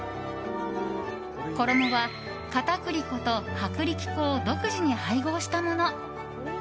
衣は片栗粉と薄力粉を独自に配合したもの。